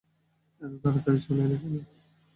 এত তাড়াতাড়ি চলে এলে কেন?